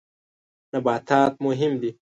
نباتات مهم دي.